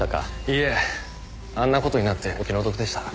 いいえあんな事になってお気の毒でした。